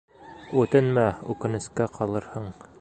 Үтенмә, үкенескә ҡалырһың.